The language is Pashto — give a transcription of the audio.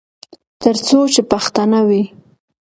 تر څو چې پښتانه وي.